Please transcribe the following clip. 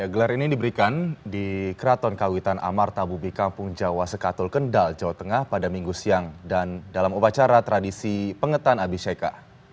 gelar ini diberikan di keraton kawitan amar tabubi kampung jawa sekatul kendal jawa tengah pada minggu siang dan dalam upacara tradisi pengetan abiseka